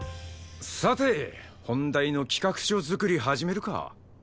さて本題の企画書作り始めるか。